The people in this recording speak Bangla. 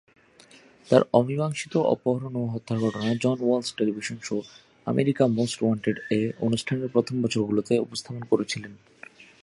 তার অমীমাংসিত অপহরণ ও হত্যার ঘটনা John Walsh television show "America most wanted -এ" অনুষ্ঠানের প্রথম বছরগুলিতে উপস্থাপন করেছিলেন।